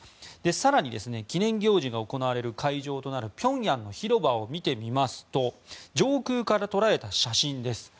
更に、記念行事が行われる会場となるピョンヤンの広場を見てみますと上空から捉えた写真です。